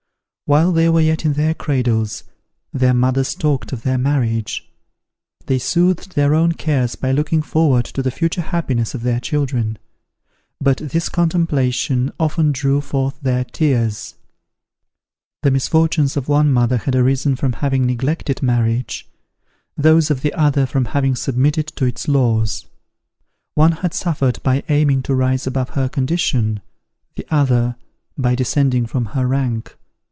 While they were yet in their cradles, their mothers talked of their marriage. They soothed their own cares by looking forward to the future happiness of their children; but this contemplation often drew forth their tears. The misfortunes of one mother had arisen from having neglected marriage; those of the other from having submitted to its laws. One had suffered by aiming to rise above her condition, the other by descending from her rank.